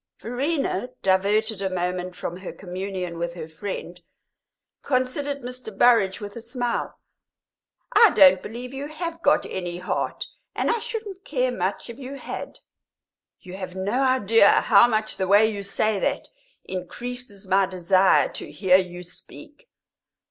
Verena, diverted a moment from her communion with her friend, considered Mr. Burrage with a smile. "I don't believe you have got any heart, and I shouldn't care much if you had!" "You have no idea how much the way you say that increases my desire to hear you speak."